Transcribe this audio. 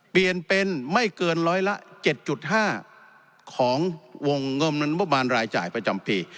เปลี่ยนเป็นไม่เกินร้อยละ๗๕ของวงเงินประมาณรายจ่ายประจำปี